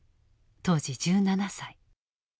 当時１７歳。